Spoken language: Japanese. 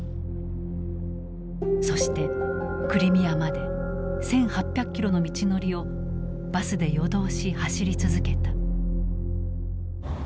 そしてクリミアまで１，８００キロの道のりをバスで夜通し走り続けた。